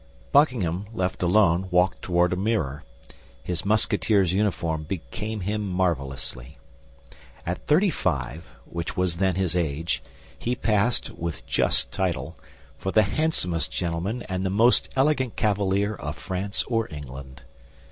Buckingham, left alone, walked toward a mirror. His Musketeer's uniform became him marvelously. At thirty five, which was then his age, he passed, with just title, for the handsomest gentleman and the most elegant cavalier of France or England.